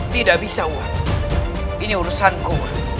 tidak bisa wak ini urusan ku